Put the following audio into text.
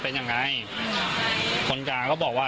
ผมมีโพสต์นึงครับว่า